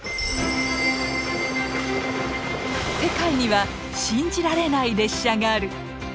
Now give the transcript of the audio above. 世界には信じられない列車がある。